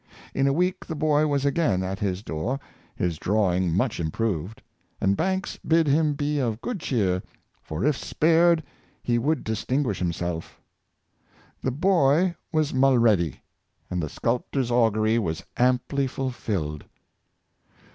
In a week the boy was again at his door, his drawing much improved; and Banks bid him be of good cheer, for if spared he would distinguish himself The boy was Mulready; and the sculptor's augury was amply fulfilled.